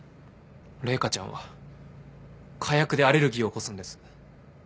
麗華ちゃんは火薬でアレルギーを起こすんです。